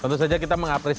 dan sudah diketep oleh